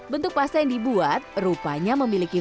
bentuk pasta yang dibuat rupanya memiliki